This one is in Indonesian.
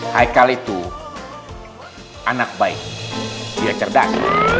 hai kali itu anak baik dia cerdas